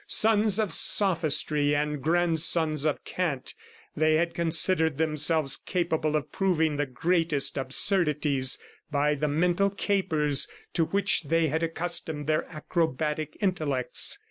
Sons of sophistry and grandsons of cant, they had considered themselves capable of proving the greatest absurdities by the mental capers to which they had accustomed their acrobatic intellects.